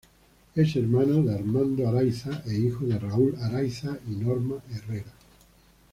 Es hermano de Armando Araiza e hijo de Raúl Araiza y Norma Herrera.